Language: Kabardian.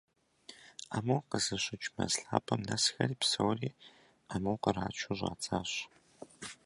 Амур къызыщыкӀ мэз лъапэм нэсхэри, псоми аму кърачу щӀадзащ.